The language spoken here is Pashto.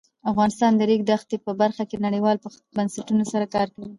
افغانستان د د ریګ دښتې په برخه کې نړیوالو بنسټونو سره کار کوي.